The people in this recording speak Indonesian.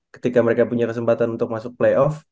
ketika mereka punya kesempatan untuk masuk playoff